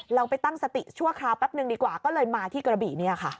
เราไปตั้งสติชั่วคราวแป๊บนึงดีกว่าก็เลยมาที่กระบี่เนี่ยค่ะ